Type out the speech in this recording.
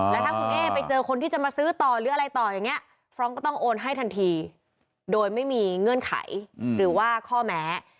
แล้วถ้าคุณเอ๊ไปเจอคนที่จะมาซื้อต่อหรืออะไรต่ออย่างนี้ฟรองก์ก็ต้องโอนให้ทันทีโดยไม่มีเงื่อนไขหรือว่าข้อแม้